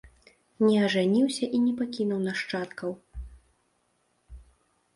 Не ажаніўся і не пакінуў нашчадкаў.